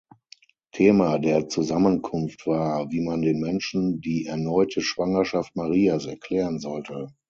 Thema der Zusammenkunft war, wie man den Menschen die erneute Schwangerschaft Marias erklären sollte.